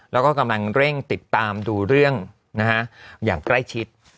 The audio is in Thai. แล้วก็กำลังเร่งติดตามดูเรื่องอย่างใกล้ชิด